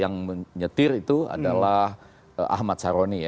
yang menyetir itu adalah ahmad saroni ya